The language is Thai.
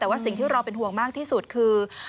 แต่ว่าสิ่งที่เราเป็นห่วงมากที่สุดคือ